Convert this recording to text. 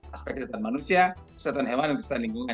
aspek kesehatan manusia kesehatan hewan dan kesehatan lingkungan